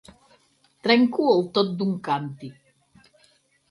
Trenco el tòt d'un càntir.